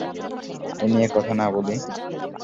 এ নিয়ে কথা না বলি?